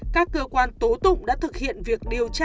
các cơ quan tố tụng đã thực hiện việc điều tra